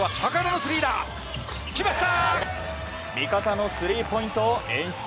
味方のスリーポイントを演出。